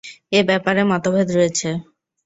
এ ব্যাপারে মতভেদ রয়েছে।